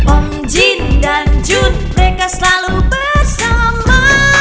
omjin dan jun mereka selalu bersama